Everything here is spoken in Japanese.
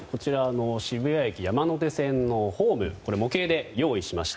渋谷駅の山手線のホームを模型で用意しました。